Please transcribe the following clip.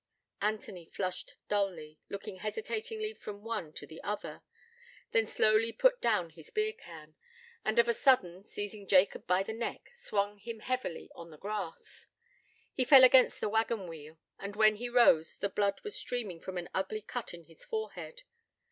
Anthony flushed dully, looking hesitatingly from the one to the other; then slowly put down his beer can, and of a sudden, seizing Jacob by the neck, swung him heavily on the grass. He fell against the waggon wheel, and when he rose the blood was streaming from an ugly cut in his forehead.